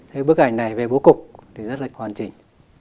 thế bức ảnh này về bố cục thì rất là hoàn chỉnh